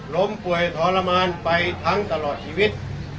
ล้มป่วยทรมานไปทั้งตลอดชีวิต